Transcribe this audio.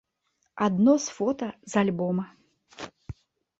Адно з фота з альбома.